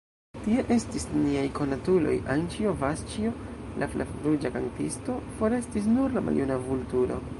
Tie estis niaj konatuloj: Anĉjo, Vasĉjo, la flavruĝa kantisto; forestis nur la maljuna Vulturo.